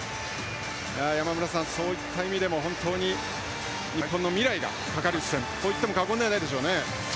山村さん、そういった意味でも本当に日本の未来がかかる一戦といっても過言ではないでしょうね。